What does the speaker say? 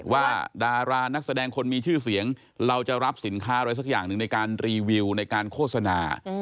ว่าดารานักแสดงคนมีชื่อเสียงเราจะรับสินค้าอะไรสักอย่างหนึ่งในการรีวิวในการโฆษณา